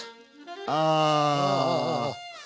ああ！